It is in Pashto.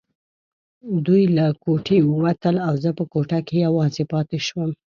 دوی له کوټې ووتل او زه په کوټه کې یوازې پاتې شوم.